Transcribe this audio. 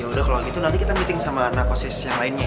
yaudah kalau gitu nanti kita meeting sama nakosis yang lainnya ya